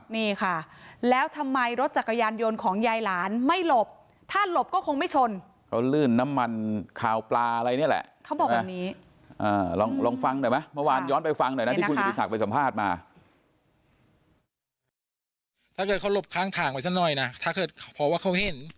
นี่ค่ะแล้วทำไมรถจักรยานยนต์ของยายหลานไม่หลบถ้าหลบก็คงไม่ชนเขาลื่นน้ำมันคาวปลาอะไรนี่แหละเขาบอกว่านี้ลองฟังได้ไหมเมื่อวานย้อนไปฟังหน่อยนะที่คุณสัมภาษณ์ไปสัมภาษณ์มา